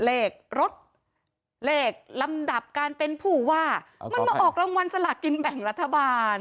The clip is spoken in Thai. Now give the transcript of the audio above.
เลขรถเลขลำดับการเป็นผู้ว่ามันมาออกรางวัลสลากินแบ่งรัฐบาล